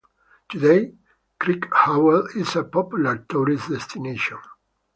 Today, Crickhowell is a popular tourist destination.